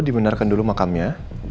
dibenarkan dulu makamnya